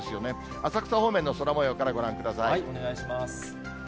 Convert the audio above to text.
浅草方面の空もようからご覧くだお願いします。